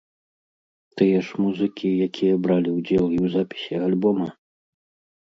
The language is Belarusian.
Тыя ж музыкі, якія бралі ўдзел і ў запісе альбома?